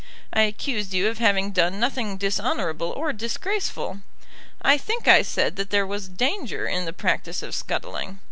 I accused you of having done nothing dishonourable or disgraceful. I think I said that there was danger in the practice of scuttling.